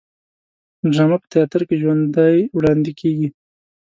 ډرامه په تیاتر کې ژوندی وړاندې کیږي